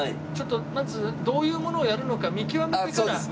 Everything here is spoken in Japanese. まずどういうものをやるのか見極めてから。